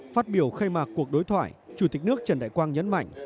phát biểu khai mạc cuộc đối thoại chủ tịch nước trần đại quang nhấn mạnh